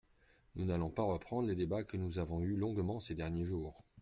Nous n’allons pas reprendre les débats que nous avons eus longuement ces derniers jours.